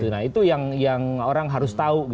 nah itu yang orang harus tahu